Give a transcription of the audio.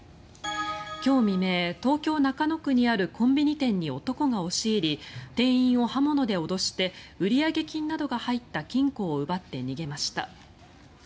今日未明、東京・中野区にあるコンビニ店に男が押し入り店員を刃物で脅して売上金などが入った金庫を奪って逃げました。